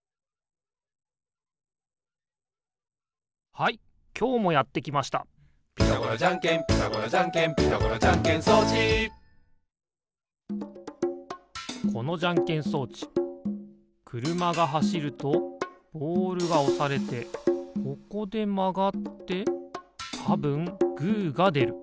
はいきょうもやってきました「ピタゴラじゃんけんピタゴラじゃんけん」「ピタゴラじゃんけん装置」このじゃんけん装置くるまがはしるとボールがおされてここでまがってたぶんグーがでる。